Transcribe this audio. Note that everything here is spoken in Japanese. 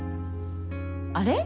あれ？